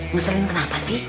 ngeselin kenapa sih